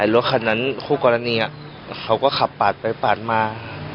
รถคันนั้นคู่กรณีเขาก็ขับปาดไปปาดมา